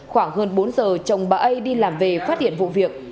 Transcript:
khoảng hơn bốn giờ chồng bà a đi làm về phát hiện vụ việc